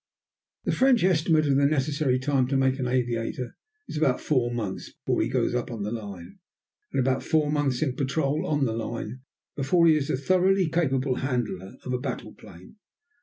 The French estimate of the necessary time to make an aviator is about four months before he goes up on the line, and about four months in patrol, on the line, before he is a thoroughly capable handler of a battle plane.